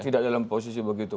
tidak dalam posisi begitu